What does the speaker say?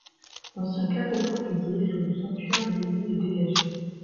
L’ancien caveau portugais, sous le sanctuaire de l’église est dégagé.